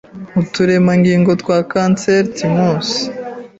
uturemangingo twa kanseri tumors